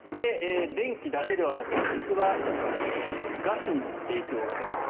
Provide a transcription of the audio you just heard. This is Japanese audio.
電気だけではなくて実はガスにも影響が出ます。